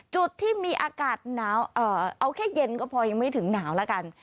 จุดที่มีอากาศหนาวเอาแค่เย็นก็พอยังไม่ถึงหนาวแล้วกัน